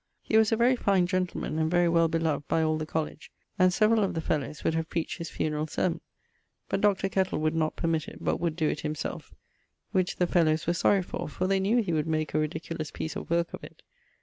He was a very fine gentleman, and very well beloved by all the colledge, and severall of the fellowes would have preacht his funerall sermon, but Dr. Kettle would not permitt it, but would doe it himselfe; which the fellowes were sorry for, for they knew he would make a ridiculous piece of worke of it.